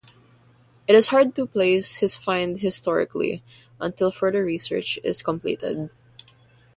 It is hard to place this find historically until further research is completed.